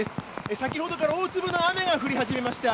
先ほどから大粒の雨が降り始めました。